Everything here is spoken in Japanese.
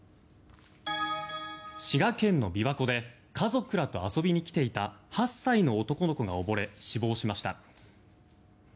滋賀県の琵琶湖で家族らと遊びに来ていた８歳の男の子が溺れ死亡しました。